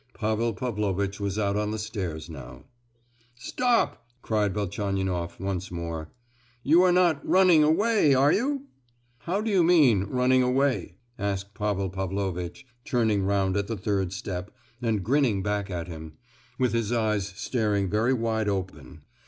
Pavel Pavlovitch was out on the stairs now. "Stop!" cried Velchaninoff, once more. "You are not 'running away,' are you?" "How do you mean, 'running away?' " asked Pavel Pavlovitch, turning round at the third step, and grinning back at him, with his eyes staring very wide open.